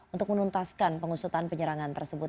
untuk menuntaskan pengusutan penyerangan tersebut